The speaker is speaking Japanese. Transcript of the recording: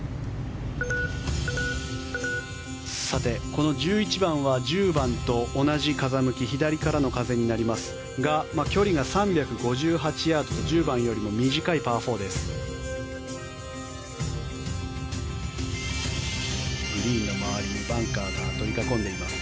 この１１番は１０番と同じ風向き左からの風になりますが距離が３５８ヤードと１０番よりも短いパー４です。